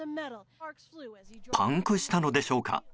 パンクしたのでしょうか